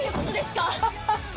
ハハハ！